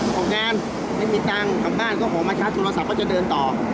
ทำงานไม่มีตังค์กลับบ้านก็ขอมาชาร์จโทรศัพท์ก็จะเดินต่อ